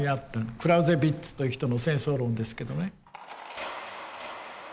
クラウゼヴィッツという人の戦争論ですけどね。